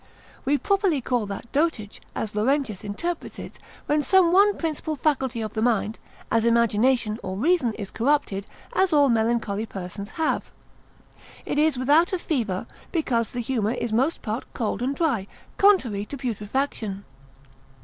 ] We properly call that dotage, as Laurentius interprets it, when some one principal faculty of the mind, as imagination, or reason, is corrupted, as all melancholy persons have. It is without a fever, because the humour is most part cold and dry, contrary to putrefaction.